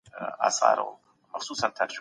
د پناه غوښتونکو ساتنه د اسلامي ټولني دنده ده.